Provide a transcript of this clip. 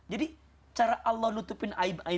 jadi cara allah nutupin aib aib kita itu selain